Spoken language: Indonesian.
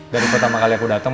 dari pertama kali aku datang